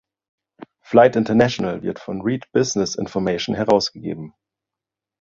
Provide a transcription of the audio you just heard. "Flight International" wird von Reed Business Information herausgegeben.